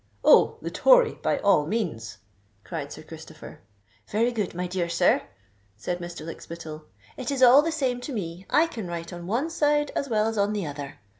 "Oh! the Tory, by all means!" cried Sir Christopher. "Very good, my dear sir," said Mr. Lykspittal. "It is all the same to me—I can write on one side as well as on the other.